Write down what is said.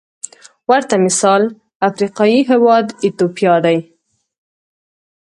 ورته مثال افریقايي هېواد ایتوپیا دی.